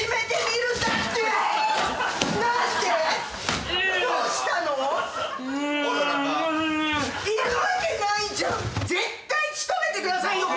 いるわけないじゃん。絶対仕留めてくださいよ